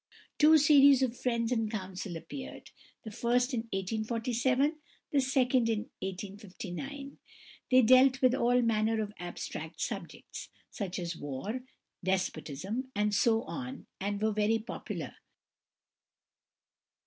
Two series of "Friends in Council" appeared, the first in 1847, the second in 1859. They dealt with all manner of abstract subjects, such as "war," "despotism," and so on, and were very popular.